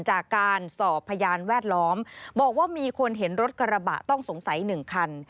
จากการสอบพยานแวดล้อมบอกว่ามีคนเห็นรถกระบะต้องสงสัย๑คัน